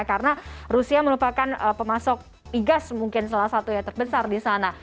karena rusia merupakan pemasok igas mungkin salah satu yang terbesar di sana